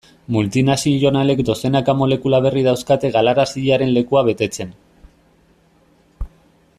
Multinazionalek dozenaka molekula berri dauzkate galaraziaren lekua betetzen.